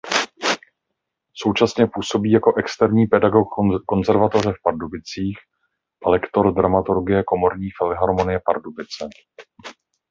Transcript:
Současně působí jako externí pedagog Konzervatoře v Pardubicích a lektor dramaturgie Komorní filharmonie Pardubice.